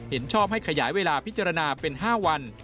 เห็นชอบให้ขยายเวลาพิจารณาเป็น๕วัน